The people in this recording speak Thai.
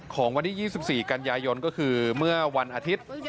ของวันที่๒๔กันยายนก็คือเมื่อวันอาทิตย์